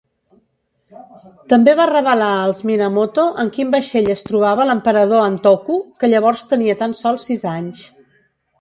També va revelar als Minamoto en quin vaixell es trobava l'emperador Antoku, que llavors tenia tan sols sis anys.